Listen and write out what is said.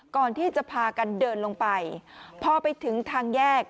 ก่อนที่จะพากันเดินลงไปพอไปถึงทางแยก